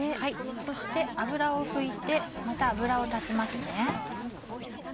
そして油を拭いてまた油を足しますね。